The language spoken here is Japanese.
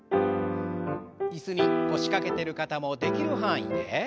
椅子に腰掛けてる方もできる範囲で。